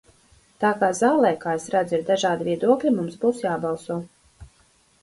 Tā kā zālē, kā es redzu, ir dažādi viedokļi, mums būs jābalso.